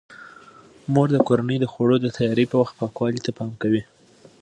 مور د کورنۍ د خوړو د تیاري په وخت پاکوالي ته پام کوي.